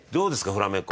フラメンコ。